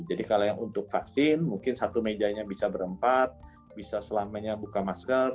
jadi kalau yang untuk vaksin mungkin satu mejanya bisa berempat bisa selamanya buka masker